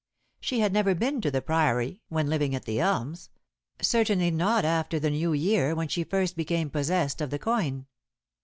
She had never been to the Priory when living at The Elms, certainly not after the New Year, when she first became possessed of the coin.